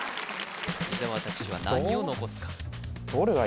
伊沢拓司は何を残すか？